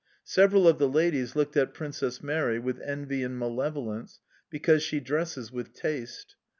Several of the ladies looked at Princess Mary with envy and malevolence, because she dresses with taste.